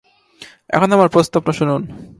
এখন আমার প্রস্তাবটা শুনুন।